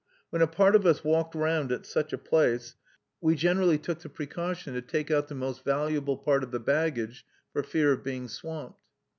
When a part of us walked round at such a place, we generally took the precaution to take out the most valuable part of the baggage for fear of being swamped.